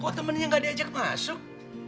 kok temennya gak diajak masuk